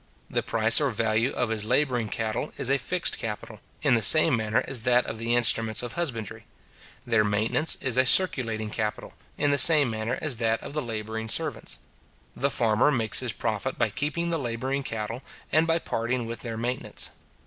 The price or value of his labouring cattle is a fixed capital, in the same manner as that of the instruments of husbandry; their maintenance is a circulating capital, in the same manner as that of the labouring servants. The farmer makes his profit by keeping the labouring cattle, and by parting with their maintenance.